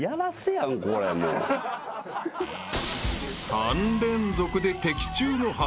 ［３連続で的中の母］